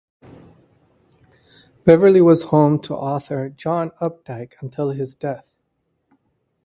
Beverly was home to author John Updike until his death.